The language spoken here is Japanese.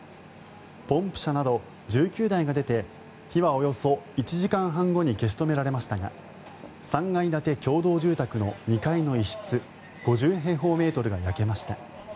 ポンプ車など１９台が出て火はおよそ１時間半後に消し止められましたが３階建て共同住宅の２階の一室５０平方メートルが焼けました。